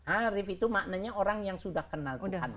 arif itu maknanya orang yang sudah kenal tuhan nya